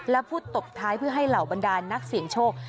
และพูดตบท้ายเพื่อให้เหล่าบรรดานนักเสี่ยงโชค